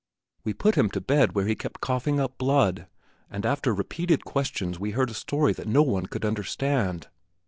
We put him to bed, where he kept coughing up blood, and after repeated questions we heard a story that no one could understand.